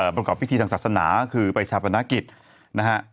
บริกับพิธีทางศาสนาคือไปฉะบันหากิจ